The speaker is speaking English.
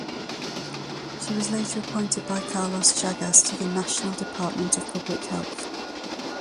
She was later appointed by Carlos Chagas to the National Department of Public Health.